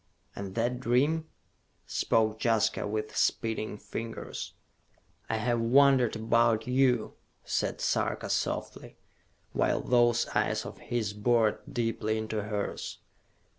"And that dream?" spoke Jaska with speeding fingers. "I have wondered about you," said Sarka softly, while those eyes of his bored deeply into hers.